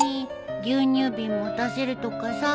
牛乳瓶持たせるとかさ。